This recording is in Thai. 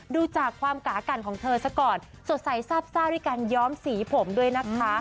ดูจากความกากันของเธอซะก่อนสดใสซาบซ่าด้วยการย้อมสีผมด้วยนะคะ